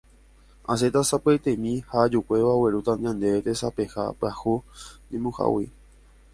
Asẽta sapy'aitemi ha ajukuévo aguerúta ñandéve tesapeha pyahu ñemuhágui.